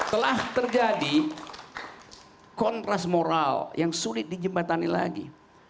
telah terjadi kontras moral yang sulit dijembatani lagi